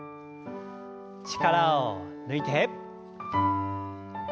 力を抜いて。